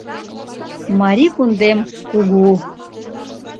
Марий кундем кугу!